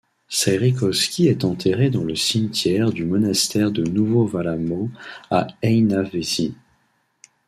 Saarikoski est enterré dans le cimetière du Monastère de Nouveau Valamo à Heinävesi.